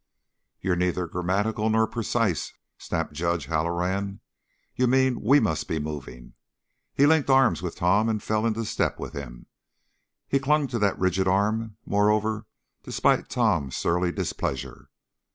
"You are neither grammatical nor precise," snapped Judge Halloran. "You mean we must be moving." He linked arms with Tom and fell into step with him; he clung to that rigid arm, moreover, despite Tom's surly displeasure.